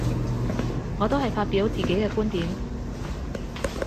我都係發表自己嘅觀點